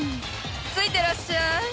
ついてらっしゃい。